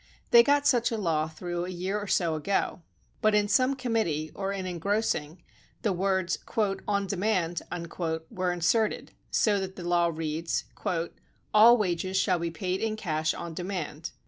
They got such a law through a year or so ago. But in some committee, or in engrossing, the words on demand" were inserted, so that the law reads: All wages shall be paid in cash on demand."